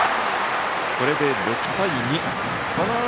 これで６対２。